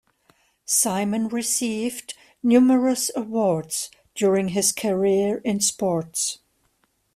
Simon received numerous awards during his career in sports.